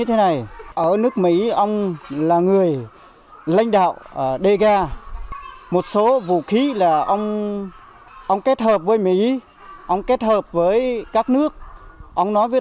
tôi mới nghe và tôi mới